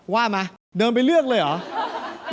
ว่ามาเดินไปเลือกเลยเหรอ